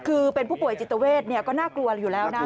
คือเป็นผู้ป่วยจิตเวทก็น่ากลัวอยู่แล้วนะ